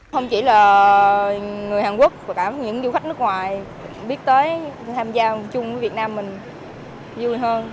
không chỉ là người hàn quốc và cả những du khách nước ngoài biết tới tham gia chung với việt nam mình vui hơn